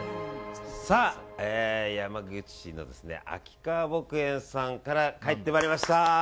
山口市の秋川牧園さんから帰ってまいりました！